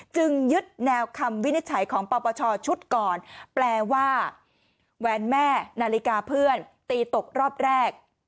จึงยึดแนวคำวินิจฉัยของปปชชุดก่อนแปลว่าแหวนแม่นาฬิกาเพื่อนตีตกรอบแรก